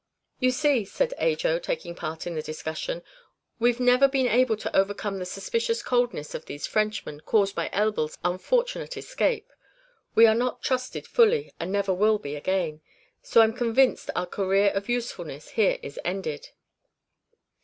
"You see," said Ajo, taking part in the discussion, "we've never been able to overcome the suspicious coldness of these Frenchmen, caused by Elbl's unfortunate escape. We are not trusted fully, and never will be again, so I'm convinced our career of usefulness here is ended."